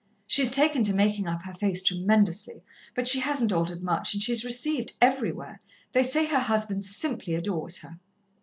She's taken to making up her face tremendously, but she hasn't altered much, and she's received everywhere. They say her husband simply adores her."